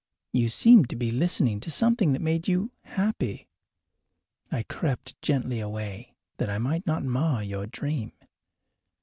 You seemed to be listening to something that made you happy. I crept gently away, that I might not mar your dream.